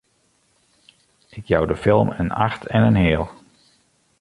Ik jou de film in acht en in heal!